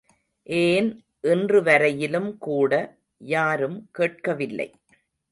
ஏன் இன்று வரையிலும் கூட யாரும் கேட்கவில்லை!